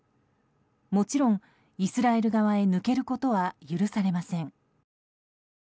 もちろん、イスラエル側へ抜けることは許されません。